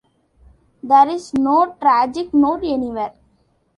There is no tragic note anywhere.